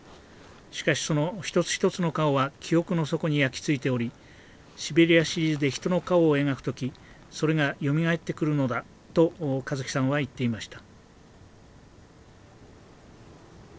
しかしその一つ一つの顔は記憶の底に焼きついており「シベリア・シリーズ」で人の顔を描く時それがよみがえってくるのだと香月さんは言っていました。